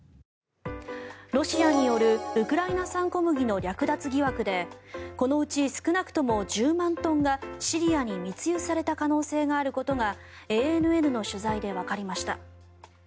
ロシアによるウクライナ産小麦の略奪疑惑でこのうち少なくとも１０万トンがシリアに密輸された可能性があることがＡＮＮの取材でわかりました。